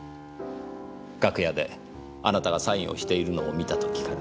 楽屋であなたがサインをしているのを見た時から。